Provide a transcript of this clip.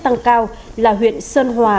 tăng cao là huyện sơn hòa